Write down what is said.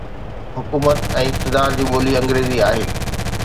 حڪومت ۽ اقتدار جي ٻولي انگريزي آهي.